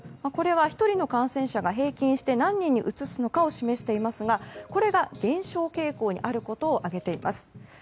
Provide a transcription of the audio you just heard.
これは１人の感染者が平均して何人にうつすのかを示していますがこれが減少傾向にあることを挙げています。